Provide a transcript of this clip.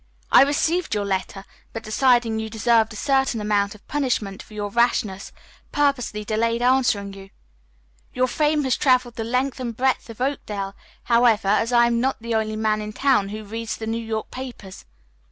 I received your letter, but, deciding you deserved a certain amount of punishment for your rashness, purposely delayed answering you. Your fame has traveled the length and breadth of Oakdale, however, as I am not the only man in town who reads the New York papers.